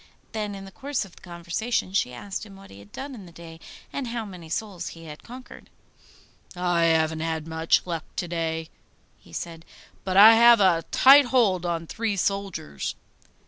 Then in the course of the conversation she asked him what he had done in the day, and how many souls he had conquered. 'I haven't had much luck to day,' he said, 'but I have a tight hold on three soldiers.